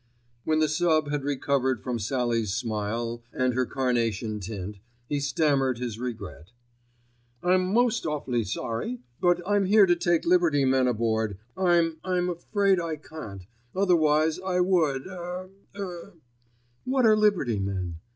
When the sub. had recovered from Sallie's smile and her carnation tint, he stammered his regret. "I'm most awfully sorry; but I'm here to take liberty men aboard. I'm, I'm, afraid I can't, otherwise I would with er—er—er——" "What are liberty men?"